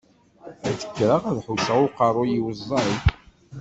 Ad d-kkreɣ ad ḥusseɣ i uqerruy-iw ẓẓay.